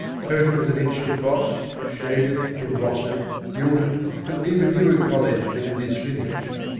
Coat it with an inch of gloss, shade it, emboss it, gild it, till even you acknowledge that it is finished.